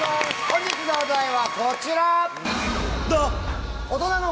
本日のお題はこちら！